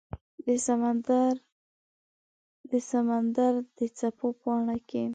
د سمندردڅپو پاڼو کې